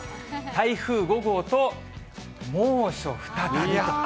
台風５号と猛暑再びと。